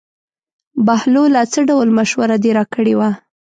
بهلوله څه ډول مشوره دې راکړې وه.